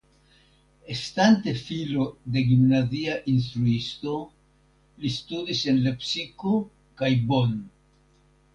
Estante filo de gimnazia instruisto li studis en Lepsiko kaj Bonn.